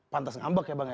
pantes ngambek ya bang ya